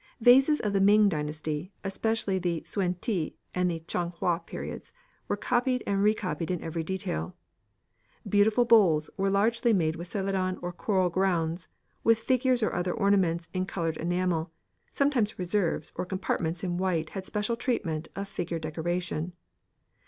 Vases of the Ming dynasty, especially the Suen tih and Ching hwa periods, were copied and recopied in every detail. Beautiful bowls were largely made with Celadon or coral grounds, with figures or other ornaments in coloured enamel; sometimes reserves or compartments in white had special treatment of figure decoration.